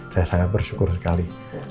saya sangat bersyukur sekali